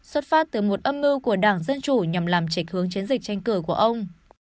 xuất phát từ một âm mưu của đảng dân chủ nhằm làm trạch hướng chiến dịch tranh cử của ông